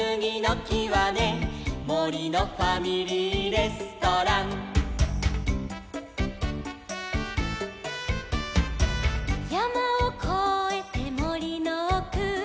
「もりのファミリーレストラン」「やまをこえてもりのおく」